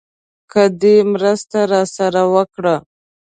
که دې مرسته راسره وکړه.